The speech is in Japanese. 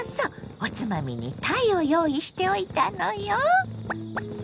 おつまみにたいを用意しておいたのよ。